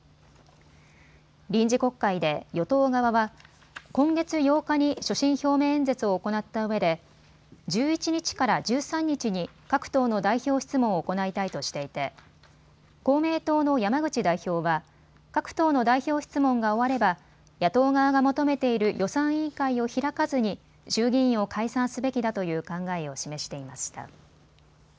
臨時国会で与党側は今月８日に所信表明演説を行ったうえで１１日から１３日に各党の代表質問を行いたいとしていて公明党の山口代表は各党の代表質問が終われば野党側が求めている予算委員会を開かずに衆議院を解散すべきだという考えを示していました。